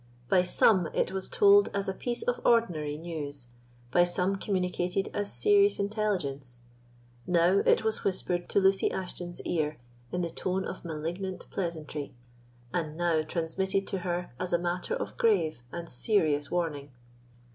By some it was told as a piece of ordinary news, by some communicated as serious intelligence; now it was whispered to Lucy Ashton's ear in the tone of malignant pleasantry, and now transmitted to her as a matter of grave and serious warning.